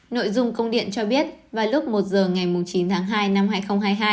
nội dung công điện cho biết vào lúc một giờ ngày chín tháng hai năm hai nghìn hai mươi hai